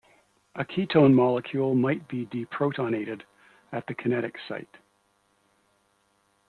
A ketone molecule might be deprotonated at the "kinetic" site.